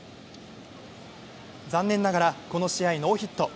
残念ながら、この試合ノーヒット。